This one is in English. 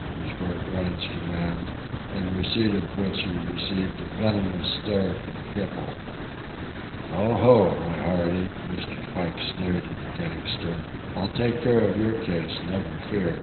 was Bert Rhine's command, in receipt of which he received a venomous stare from the cripple. "Oh, ho, my hearty," Mr. Pike sneered at the gangster. "I'll take care of your case, never fear.